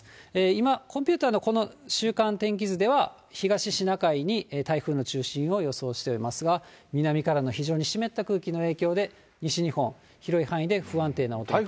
今、コンピューターのこの週間天気図では、東シナ海に台風の中心を予想していますが、南からの非常に湿った空気の影響で、西日本、広い範囲で不安定なお天気。